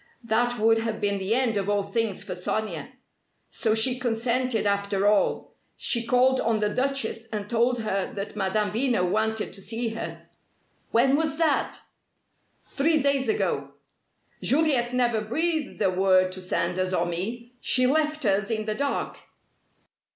That would have been the end of all things for Sonia! So she consented, after all. She called on the Duchess and told her that Madame Veno wanted to see her." "When was that?" "Three days ago." "Juliet never breathed a word to Sanders or me. She left us in the dark."